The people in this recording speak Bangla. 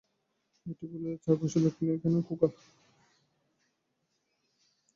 মেয়েটি বলিল, চার পয়সা দক্ষিণে কেন খোকা?